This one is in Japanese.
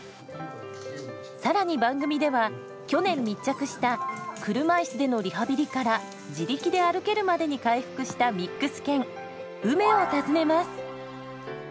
更に番組では去年密着した車いすでのリハビリから自力で歩けるまでに回復したミックス犬うめを訪ねます。